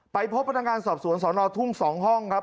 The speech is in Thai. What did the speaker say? พบพนักงานสอบสวนสอนอทุ่ง๒ห้องครับ